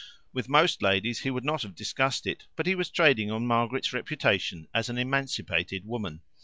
With most ladies he would not have discussed it, but he was trading on Margaret's reputation as an emanicipated woman.